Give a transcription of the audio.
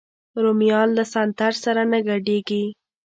رومیان له سنتر سره نه ګډېږي